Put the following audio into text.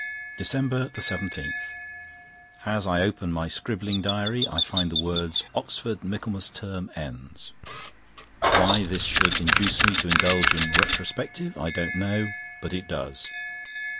DECEMBER 17.—As I open my scribbling diary I find the words "Oxford Michaelmas Term ends." Why this should induce me to indulge in retrospective I don't know, but it does.